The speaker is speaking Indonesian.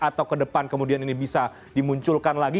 atau ke depan kemudian ini bisa dimunculkan lagi